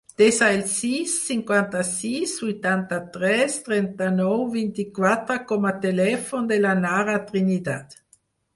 Desa el sis, cinquanta-sis, vuitanta-tres, trenta-nou, vint-i-quatre com a telèfon de la Nara Trinidad.